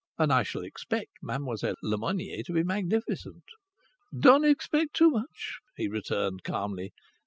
And I shall expect Mademoiselle Lemonnier to be magnificent." "Don't expect too much," he returned calmly.